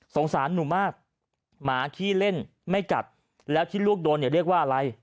สารหนูมากหมาขี้เล่นไม่กัดแล้วที่ลูกโดนเนี่ยเรียกว่าอะไร